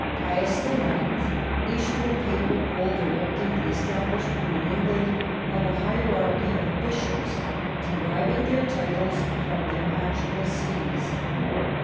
Pius the Ninth issued a Papal Bull directing the establishment in England of a hierarchy of Bishops deriving their titles from their actual sees.